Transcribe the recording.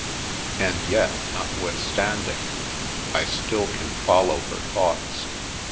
And yet, notwithstanding, I still can follow her thoughts.